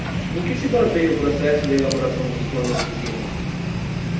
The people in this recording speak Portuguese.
No que se baseia o processo de elaboração dos planos de ensino?